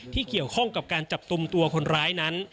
ที่เกี่ยวข้องกับการจับกลุ่มตัวคนร้ายนั้น